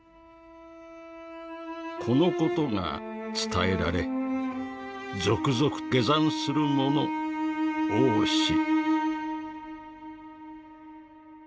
「このことが伝えられ続々下山する者多し」。